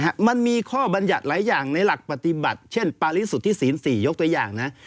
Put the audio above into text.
มันมีข้อบรรยัติหลายอย่างในหลักปฏิบัติเช่นปาริสุทธิศีล๔ยกตัวอย่างนะ